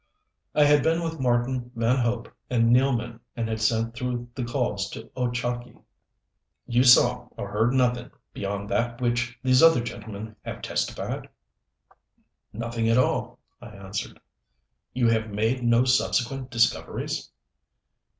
I had been with Marten, Van Hope and Nealman and had sent through the calls to Ochakee. "You saw or heard nothing beyond that which these other gentlemen have testified?" "Nothing at all," I answered. "You have made no subsequent discoveries?"